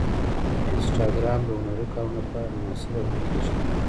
انسټاګرام د هنري کارونو لپاره مناسب اپلیکیشن دی.